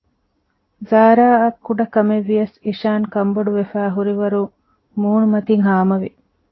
ޒާރާއަށް ކުޑަކަމެއްވިޔަސް އިޝާން ކަންބޮޑުވަފައި ހުރިވަރު މޫނުމަތިން ހާމަވެ